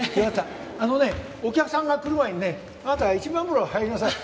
あのねお客さんが来る前にねあなた一番風呂入りなさい。